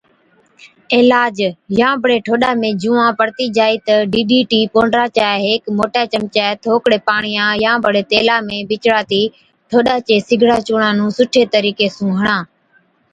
عِلاج، يان بڙي ٺوڏا ۾ جُوئان پڙتِي جائِي تہ ڊِي، ڊِي ٽِي پونڊرا چي هيڪ موٽَي چمچَي ٿوڪڙي پاڻِيان ۾ يان بڙي تيلا ۾ بِچڙاتِي ٺوڏا چي سِگڙان چُونڻان نُون سُٺي طرِيقي سُون هڻا۔